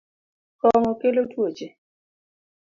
Kong’o kelo tuoche